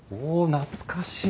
懐かしい！